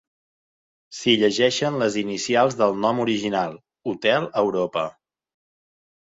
S'hi llegeixen les inicials del nom original, Hotel Europa.